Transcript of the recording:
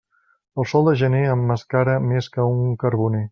El sol de gener emmascara més que un carboner.